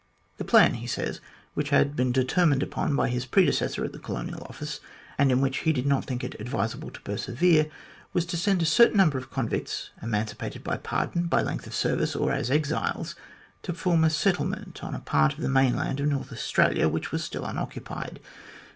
The plan, he says, which had been determined upon by his predecessor at the Colonial Office, and in which he did not think it advisable to persevere, was to send a certain number of convicts, emancipated by pardon, by length of service, or as exiles, to form a settlement on a part of the mainland of North Australia, which was still unoccupied.